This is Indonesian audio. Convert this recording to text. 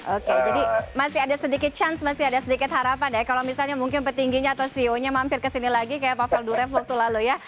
oke jadi masih ada sedikit chance masih ada sedikit harapan ya kalau misalnya mungkin petingginya atau ceo nya mampir ke sini lagi kayak pak falduref waktu lalu ya